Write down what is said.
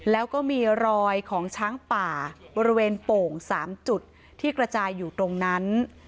แล้วก็มีรอยของช้างป่าบริเวณโป่ง๓จุดที่กระจายอยู่ตรงนั้น